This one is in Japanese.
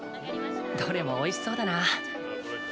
どれもおいしそうだな。